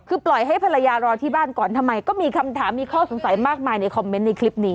คือปล่อยให้ภรรยารอที่บ้านก่อนทำไมก็มีคำถามมีข้อสงสัยมากมายในคอมเมนต์ในคลิปนี้